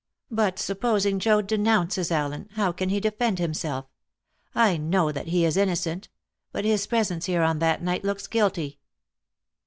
"But supposing Joad denounces Allen, how can he defend himself? I know that he is innocent; but his presence here on that night looks guilty."